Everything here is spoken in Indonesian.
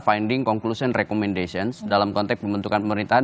finding conclusion recommendations dalam konteks pembentukan pemerintahan